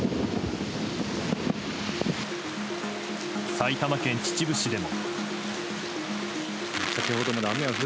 埼玉県秩父市でも。